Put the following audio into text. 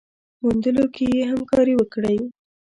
موندلو کي يې همکاري وکړئ